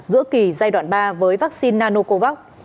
giữa kỳ giai đoạn ba với vaccine nanocovax